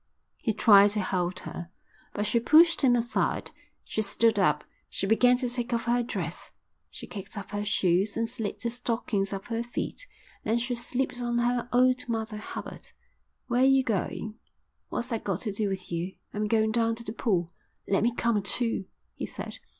He tried to hold her, but she pushed him aside. She stood up. She began to take off her dress. She kicked off her shoes and slid the stockings off her feet, then she slipped on her old Mother Hubbard. "Where are you going?" "What's that got to do with you? I'm going down to the pool." "Let me come too," he said.